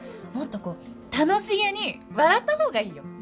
もっとこう楽しげに笑ったほうがいいよ。